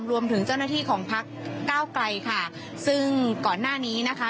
รวมถึงเจ้าหน้าที่ของพักเก้าไกลค่ะซึ่งก่อนหน้านี้นะคะ